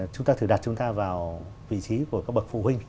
chúng ta thường đặt chúng ta vào vị trí của các bậc phụ huynh